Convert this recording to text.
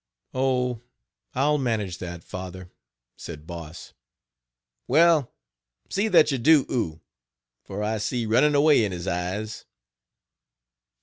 "Oh! I'll manage that, Father," said Boss. "Well, see that you do oo, for I see running away in his eyes."